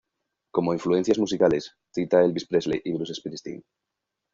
Como influencias musicales, cita a Elvis Presley y Bruce Springsteen.